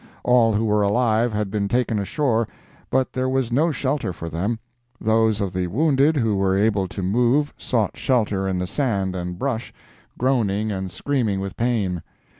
All who were alive had been taken ashore, but there was no shelter for them. Those of the wounded who were able to move sought shelter in the sand and brush, groaning and screaming with pain.